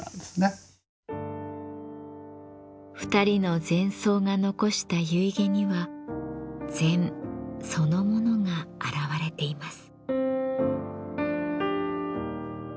２人の禅僧が残した遺偈には禅そのものが表れています。